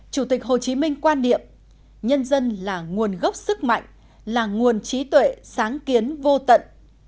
chủ tịch hồ chí minh quan điểm nhân dân là nguồn gốc sức mạnh là nguồn trí tuệ sáng kiến vô tận